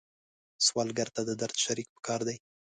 سوالګر ته د درد شریک پکار دی